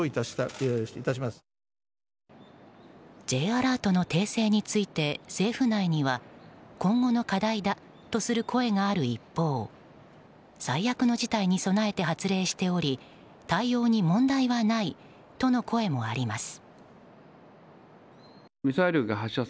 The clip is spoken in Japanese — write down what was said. Ｊアラートの訂正について政府内には今後の課題だとする声がある一方最悪の事態に備えて発令しており対応に問題はないとの声もあります。